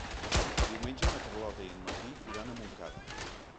Diumenge na Carlota i en Martí iran a Montcada.